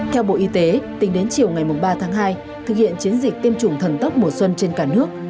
theo bộ y tế tính đến chiều ngày ba tháng hai thực hiện chiến dịch tiêm chủng thần tốc mùa xuân trên cả nước